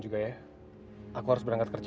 ingatnya aku sendirian di rumah